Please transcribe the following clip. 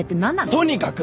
とにかく！